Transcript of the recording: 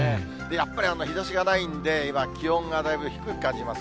やっぱり日ざしがないんで、今、気温がだいぶ低く感じます。